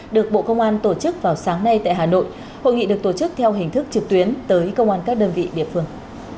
được bộ công an tổ chức vào sáng nay tại hà nội hội nghị được tổ chức theo hình thức trực tuyến tới công an các đơn vị địa phương